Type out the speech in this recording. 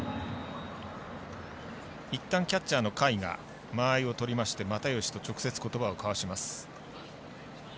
キャッチャーの甲斐が間合いを取りまして又吉と直接ことばを交わします。